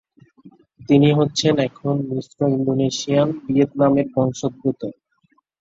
তিনি হচ্ছেন এখন মিশ্র ইন্দোনেশিয়ান-ভিয়েতনামের বংশোদ্ভূত।